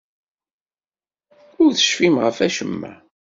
Ur tecfim ɣef wacemma?